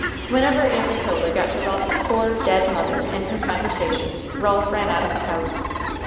Whenever Aunt Matilda got to Ralph's poor, dead mother in her conversation Ralph ran out of the house.